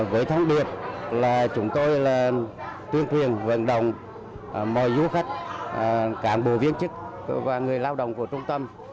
với tháng biệt là chúng tôi là tuyên truyền vận động mọi du khách cán bộ viên chức và người lao động của trung tâm